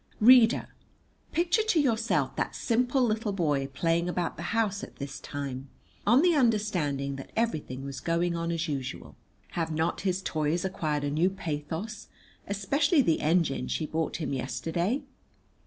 Reader, picture to yourself that simple little boy playing about the house at this time, on the understanding that everything was going on as usual. Have not his toys acquired a new pathos, especially the engine she bought him yesterday?